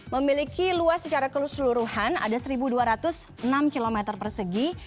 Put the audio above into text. memiliki luas secara keseluruhan ada satu dua ratus enam km persegi